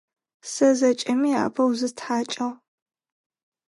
Сэ зэкӏэми апэу зыстхьакӏыгъ.